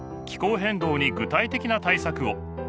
気候変動に具体的な対策を。